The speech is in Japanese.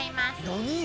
何よ？